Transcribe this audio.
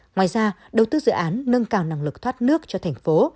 ngoài ra đầu tư dự án nâng cao năng lực thoát nước cho thành phố